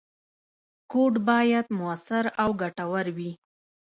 کوډ باید موثر او ګټور وي.